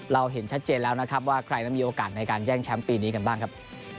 เราเห็นชัดเจนแล้วนะครับว่าใครนั้นมีโอกาสในการแย่งแชมป์ปีนี้กันบ้างครับ